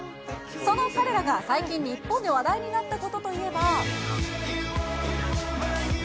その彼らが最近、日本で話題になったことといえば。